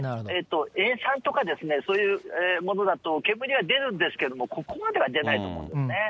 塩酸とかそういうものだと、煙は出るんですけども、ここまでは出ないと思うんですね。